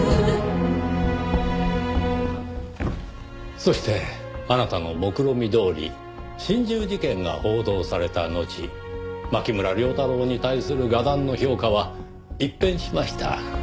そしてあなたのもくろみどおり心中事件が報道されたのち牧村遼太郎に対する画壇の評価は一変しました。